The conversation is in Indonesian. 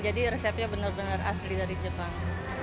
jadi resepnya bener bener asli dari jepang